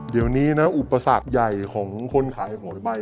เดี๋ยวนี้นะอุปสรรคใหญ่ของคนขายหอยใบ